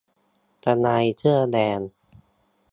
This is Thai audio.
ทนายเสื้อแดง